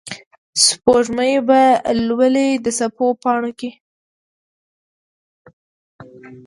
سپوږمۍ به لولي د څپو پاڼو کې